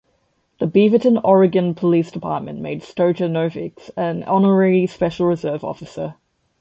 The Beaverton, Oregon Police Department made Stojanovich an Honorary Special Reserve Officer.